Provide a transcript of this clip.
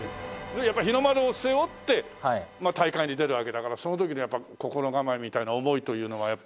やっぱり日の丸を背負って大会に出るわけだからその時の心構えみたいな思いというのはやっぱ。